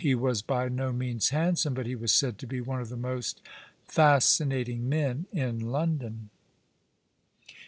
He was by no means handsome, but he was said to be one of the most fascinatiDg men in London.